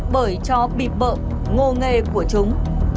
bởi cho bịp bợ ngô nghê của chúng